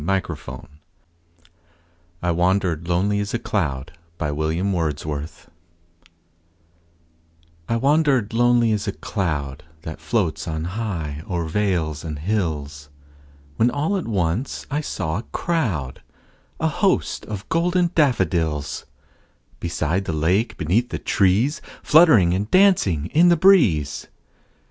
William Wordsworth I Wandered Lonely As a Cloud I WANDERED lonely as a cloud That floats on high o'er vales and hills, When all at once I saw a crowd, A host, of golden daffodils; Beside the lake, beneath the trees, Fluttering and dancing in the breeze.